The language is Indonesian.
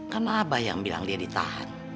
kan abang yang bilang dia ditahan